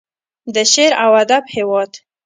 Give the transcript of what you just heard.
د شعر او ادب هیواد.